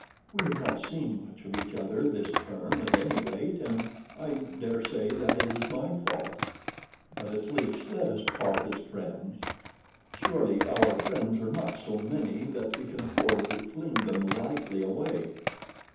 We have not seen much of each other this term at any rate, and I daresay that is my fault. But at least let us part as friends. Surely our friends are not so many that we can afford to fling them lightly away."